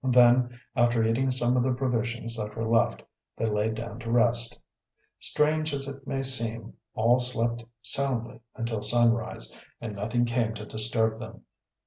Then, after eating some of the provisions that were left, they laid down to rest. Strange as it may seem all slept soundly until sunrise, and nothing came to disturb them.